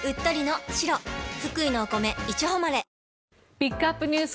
ピックアップＮＥＷＳ